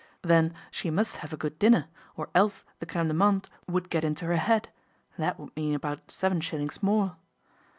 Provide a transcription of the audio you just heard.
Then she must have a good dinner or else the crime de menthe would get into her head, that would mean about seven shillings more.